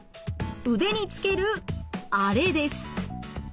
腕につけるあれです。